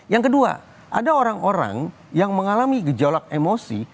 yang kedua ada orang orang yang mengalami gejolak emosi